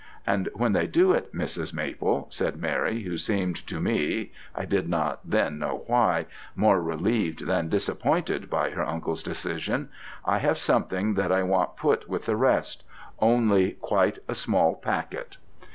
'And when they do it, Mrs. Maple,' said Mary, who seemed to me I did not then know why more relieved than disappointed by her uncle's decision, 'I have something that I want put with the rest; only quite a small packet.'